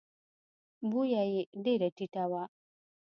بویه یې ډېره ټیټه وه.